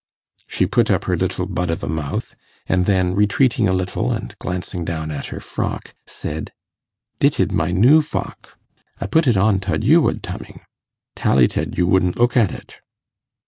She put up her little bud of a mouth, and then retreating a little and glancing down at her frock, said, 'Dit id my noo fock. I put it on 'tod you wad toming. Tally taid you wouldn't 'ook at it.